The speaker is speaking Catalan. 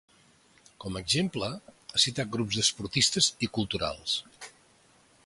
Com a exemple, ha citat grups d’esportistes i culturals.